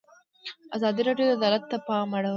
ازادي راډیو د عدالت ته پام اړولی.